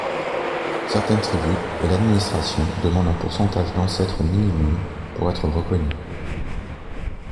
Certaines tribus et l'administration demandent un pourcentage d'ancêtres minimum pour être reconnu.